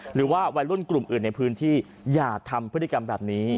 หรือว่าวัยรุ่นกลุ่มอื่นในพื้นที่อย่าทำพฤติกรรมแบบนี้